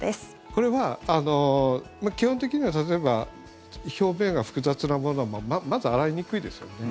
これは基本的には例えば表面が複雑なものはまず洗いにくいですよね。